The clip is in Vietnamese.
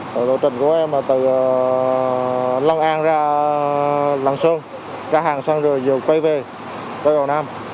tổ chức của em là từ lăng an ra lăng sơn ra hàng xong rồi quay về quay vào nam